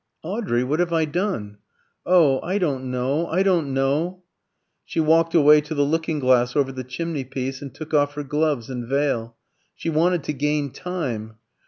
"Audrey! What have I done?" "Oh! I don't know, I don't know!" She walked away to the looking glass over the chimneypiece, and took off her gloves and veil. She wanted to gain time.